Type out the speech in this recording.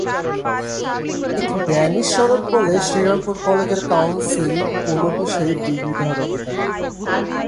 একটি ড্যানিশ সনদ বলে শ্রীরামপুর কলেজের কাউন্সিল কোনো বিষয়ে ডিগ্রি দেওয়ার অধিকারী।